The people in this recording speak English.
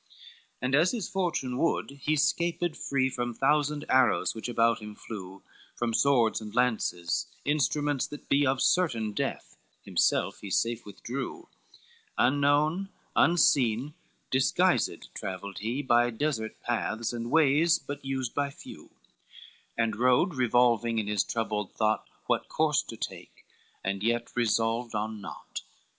III And, as his fortune would, he scaped free From thousand arrows which about him flew, From swords and lances, instruments that be Of certain death, himself he safe withdrew, Unknown, unseen, disguised, travelled he, By desert paths and ways but used by few, And rode revolving in his troubled thought What course to take, and yet resolved on naught.